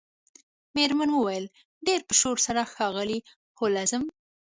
میرمن وویل ډیر په شور سره ښاغلی هولمز